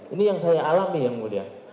ini yang saya alami yang mulia